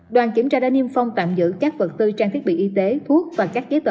đoàn kiểm tra đã niêm phong tạm giữ các vật tư trang thiết bị y tế thuốc và các giấy tờ